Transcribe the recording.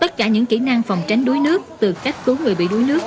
tất cả những kỹ năng phòng tránh đuối nước từ cách cứu người bị đuối nước